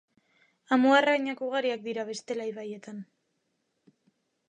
Amuarrainak ugariak dira bestela ibaietan.